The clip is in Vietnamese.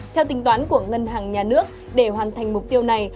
theo tính toán của ngân hàng nhà nước để hoàn thành mục tiêu này